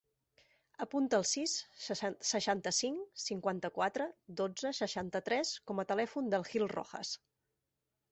Apunta el sis, seixanta-cinc, cinquanta-quatre, dotze, seixanta-tres com a telèfon del Gil Rojas.